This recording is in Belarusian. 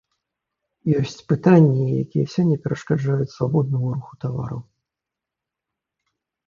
Ёсць пытанні, якія сёння перашкаджаюць свабоднаму руху тавараў.